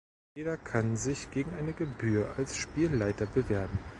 Jeder kann sich gegen eine Gebühr als Spielleiter bewerben.